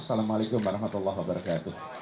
assalamualaikum warahmatullahi wabarakatuh